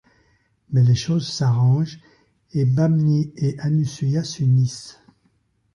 Mais les choses s'arrangent et Bamni & Anusuya s'unissent.